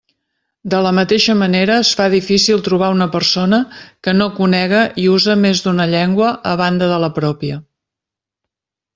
De la mateixa manera es fa difícil trobar una persona que no conega i use més d'una llengua a banda de la pròpia.